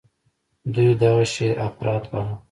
دوى دغه شى اپرات باله.